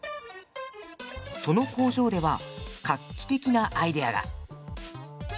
その工場では画期的なアイデアが。